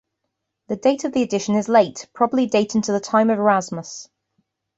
The date of the addition is late, probably dating to the time of Erasmus.